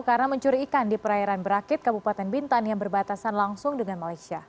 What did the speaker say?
karena mencuri ikan di perairan berakit kabupaten bintan yang berbatasan langsung dengan malaysia